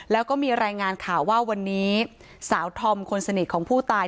แล้วก็มีรายงานข่าวว่าวันนี้สาวธอมคนสนิทของผู้ตาย